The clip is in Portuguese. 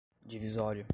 divisório